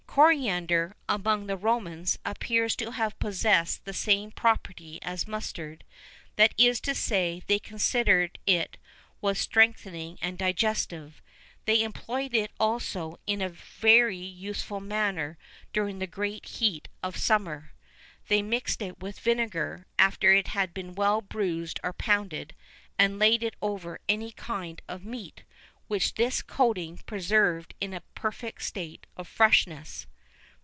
Coriander, amongst the Romans, appears to have possessed the same property as mustard, that is to say, they considered it was strengthening and digestive.[VI 7] They employed it also in a very useful manner during the great heat of summer: they mixed it with vinegar, after it had been well bruised or pounded, and laid it over any kind of meat, which this coating preserved in a perfect state of freshness.